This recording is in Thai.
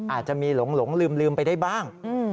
อาจจะมีหลงลืมไปได้บ้าง